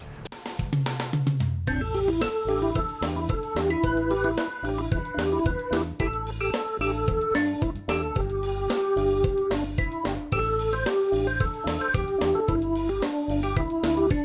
โปรดติดตามตอนต่อไป